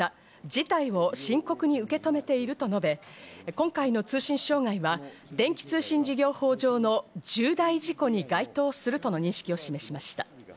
事態を深刻に受け止めていると述べ、今回の通信障害は電気通信事業法上の重大事故に該当すると認識を示しました。